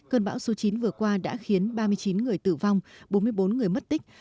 cơn bão số chín vừa qua đã khiến ba mươi chín người tử vong bốn mươi bốn người mất tích